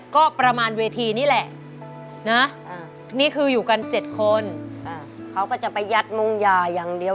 ก็ประมาณเวทีนี่แหละนะนี่คืออยู่กัน๗คนเขาก็จะไปยัดมงยาอย่างเดียว